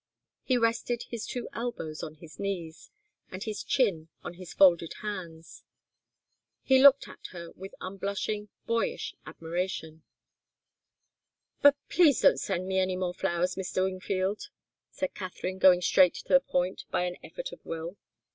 He rested his two elbows on his knees, and his chin on his folded hands, and looked at her with unblushing, boyish admiration. "But please don't send me any more flowers, Mr. Wingfield," said Katharine, going straight to the point by an effort of will.